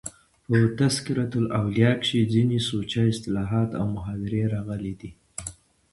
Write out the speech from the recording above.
په "تذکرة الاولیاء" کښي ځيني سوچه اصطلاحات او محاورې راغلي دي.